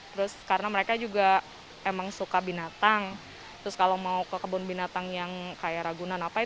terus karena mereka juga emang suka binatang terus kalau mau ke kebun binatang yang kayak ragunan apa